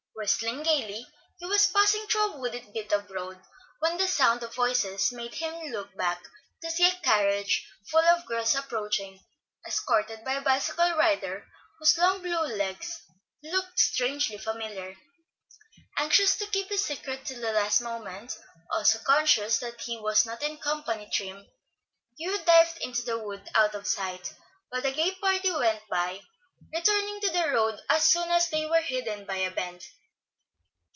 Whistling gayly, he was passing through a wooded bit of road when the sound of voices made him look back to see a carriage full of girls approaching, escorted by a bicycle rider, whose long blue legs looked strangely familiar. Anxious to keep his secret till the last moment, also conscious that he was not in company trim, Hugh dived into the wood, out of sight, while the gay party went by, returning to the road as soon as they were hidden by a bend.